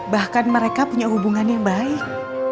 bahkan mereka punya hubungan yang baik